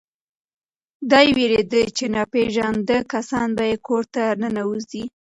دی وېرېده چې ناپېژانده کسان به یې کور ته ننوځي.